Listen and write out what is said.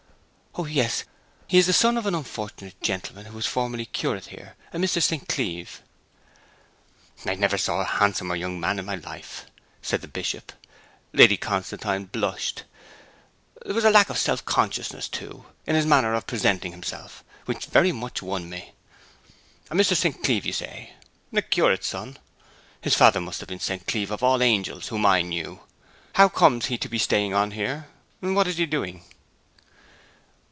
'O yes. He is the son of an unfortunate gentleman who was formerly curate here, a Mr. St. Cleeve.' 'I never saw a handsomer young man in my life,' said the Bishop. Lady Constantine blushed. 'There was a lack of self consciousness, too, in his manner of presenting himself, which very much won me. A Mr. St. Cleeve, do you say? A curate's son? His father must have been St. Cleeve of All Angels, whom I knew. How comes he to be staying on here? What is he doing?'